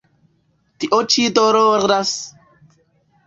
Tio ĉi doloras!